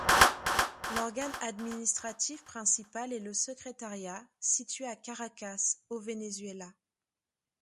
L'organe administratif principal est le secrétariat, situé à Caracas, au Venezuela.